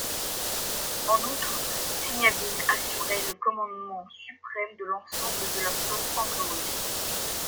En outre, Seniavine assumerait le commandement suprême de l'ensemble de la flotte anglo-russe.